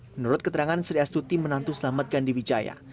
menurut keterangan sri astuti menantu selamat gandhi wijaya